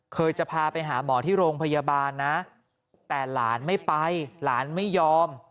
จะพาไปหาหมอที่โรงพยาบาลนะแต่หลานไม่ไปหลานไม่ยอม